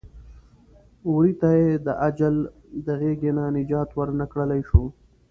وري ته یې د اجل د غېږې نه نجات ور نه کړلی شو.